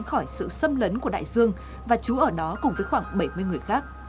khỏi sự xâm lấn của đại dương và chú ở đó cùng với khoảng bảy mươi người khác